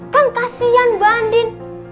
kan kasian mba andin